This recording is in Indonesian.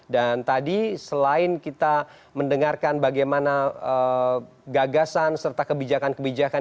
dan tadi selain kita mendengarkan bagaimana gagasan serta kebijakan kebijakan